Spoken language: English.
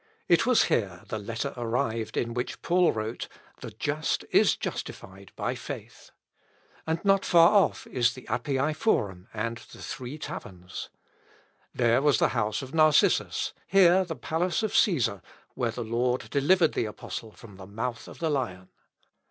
It was here the letter arrived in which Paul wrote, "The just is justified by faith," and not far off is the Appii Forum and the Three Taverns. There was the house of Narcissus here the palace of Cæsar, where the Lord delivered the apostle from the mouth of the lion.